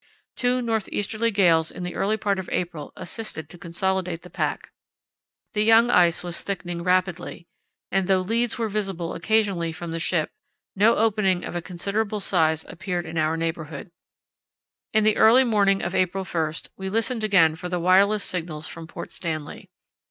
Two north easterly gales in the early part of April assisted to consolidate the pack. The young ice was thickening rapidly, and though leads were visible occasionally from the ship, no opening of a considerable size appeared in our neighbourhood. In the early morning of April 1 we listened again for the wireless signals from Port Stanley.